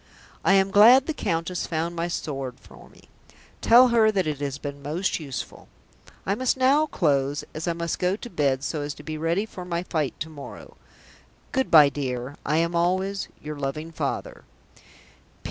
I am glad the Countess found my sword for me; tell her that it has been most useful. "I must now close as I must go to bed so as to be ready for my fight to morrow. Good bye, dear. I am always, "YOUR LOVING FATHER.